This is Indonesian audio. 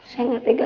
saya gak tegas